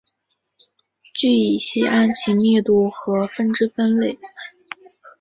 聚乙烯按其密度和分支分类。